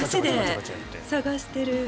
探してる。